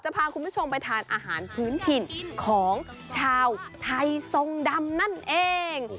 พาคุณผู้ชมไปทานอาหารพื้นถิ่นของชาวไทยทรงดำนั่นเอง